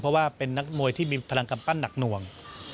เพราะว่าเป็นนักมวยที่มีพลังกำปั้นหนักหน่วง